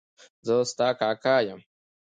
زه ستا کاکا یم.